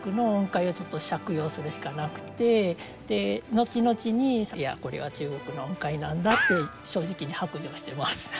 後々にいやこれは中国の音階なんだって正直に白状しています。